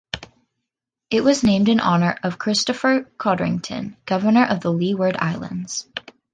It was named in honor of Christopher Codrington, governor of the Leeward Islands.